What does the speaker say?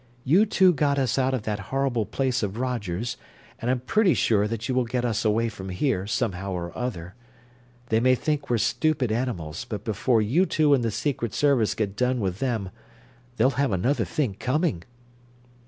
"You two got us out of that horrible place of Roger's, and I'm pretty sure that you will get us away from here, somehow or other. They may think we're stupid animals, but before you two and the Secret Service get done with them they'll have another think coming."